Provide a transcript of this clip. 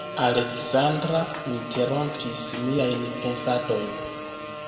Aleksandra interrompis miajn pensadojn.